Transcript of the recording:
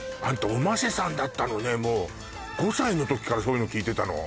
おませさんだったのねもう５歳の時からそういうの聴いてたの？